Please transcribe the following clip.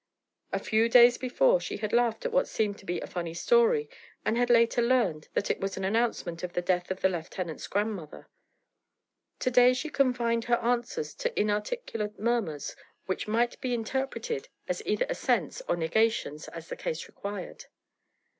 A few days before she had laughed at what seemed to be a funny story, and had later learned that it was an announcement of the death of the lieutenant's grandmother. To day she confined her answers to inarticulate murmurs which might be interpreted as either assents or negations as the case required.